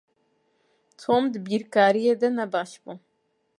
Tom di bîrkariyê de ne baş bû.